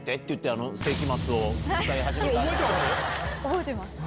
それ覚えてます？